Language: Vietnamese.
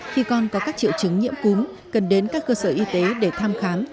khi con có các triệu chứng nhiễm cúm cần đến các cơ sở y tế để thăm khám